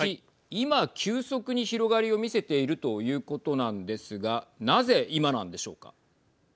今、急速に広がりを見せているということなんですがなぜ今なんでしょうか。